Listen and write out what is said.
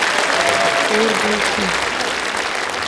اور بل سو.